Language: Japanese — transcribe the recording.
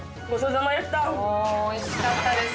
美味しかったです。